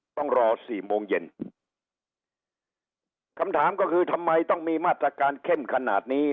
ต้องรอสี่โมงเย็นคำถามก็คือทำไมต้องมีมาตรการเข้มขนาดนี้